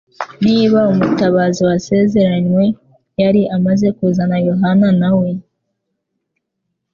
Niba umutabazi wasezeranywe yari amaze kuza na Yohana nawe